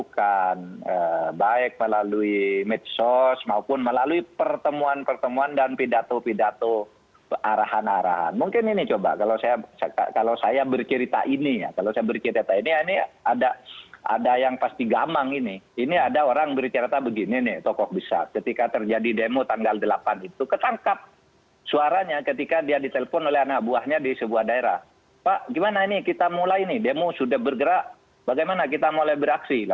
kalau tidak salah sekarang ini